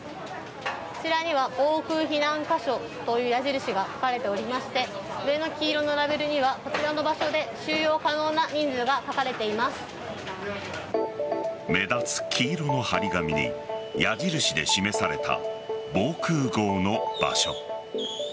こちらには防空避難箇所という矢印がかかれておりまして上の黄色のラベルにはこちらの場所で目立つ黄色の張り紙に矢印で示された防空壕の場所。